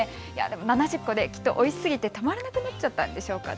７０個、きっとおいしすぎて止まらなくなっちゃったんでしょうかね。